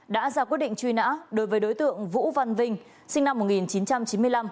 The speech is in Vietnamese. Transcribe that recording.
đã ra quyết định truy nã đối với đối tượng vũ văn vinh sinh năm một nghìn chín trăm chín mươi năm